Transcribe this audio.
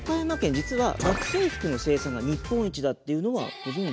実は学生服の生産が日本一だっていうのはご存じ？